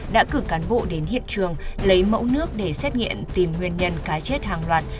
đã cử cán bộ đến hiện trường lấy mẫu nước để xét nghiệm tìm nguyên nhân cá chết hàng loạt